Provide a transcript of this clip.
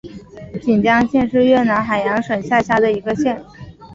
锦江县是越南海阳省下辖的一个县。